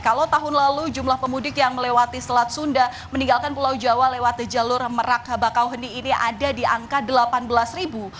kalau tahun lalu jumlah pemudik yang melewati selat sunda meninggalkan pulau jawa lewat the jalur merak bakauheni ini ada di angka delapan belas ribu